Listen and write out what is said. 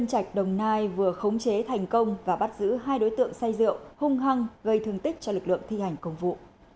trạch đồng nai vừa khống chế thành công và bắt giữ hai đối tượng say rượu hung hăng gây thương tích cho lực lượng thi hành công vụ